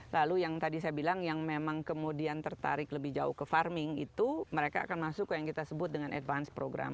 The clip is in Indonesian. lalu yang tadi saya bilang yang memang kemudian tertarik lebih jauh ke farming itu mereka akan masuk ke yang kita sebut dengan advance program